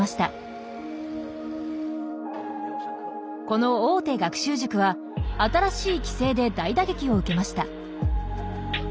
この大手学習塾は新しい規制で大打撃を受けました。